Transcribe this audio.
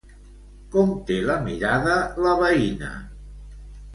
Com té la mirada la veïna?